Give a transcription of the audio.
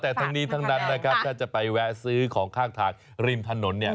แต่ทั้งนี้ทั้งนั้นนะครับถ้าจะไปแวะซื้อของข้างทางริมถนนเนี่ย